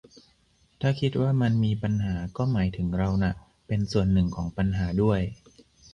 ถ้าคิดว่ามันมีปัญหาก็หมายถึงเราน่ะเป็นส่วนหนึ่งของปัญหาด้วย